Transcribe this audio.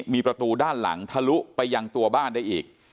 มีประตูด้านหลังทะลุไปยังตัวบ้านได้อีก